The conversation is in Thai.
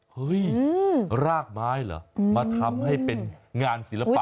เฮ้ยรากไม้เหรอมาทำให้เป็นงานศิลปะ